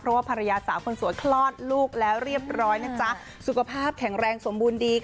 เพราะว่าภรรยาสาวคนสวยคลอดลูกแล้วเรียบร้อยนะจ๊ะสุขภาพแข็งแรงสมบูรณ์ดี